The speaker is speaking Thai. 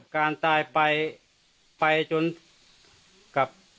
การตายไปไปจนกับ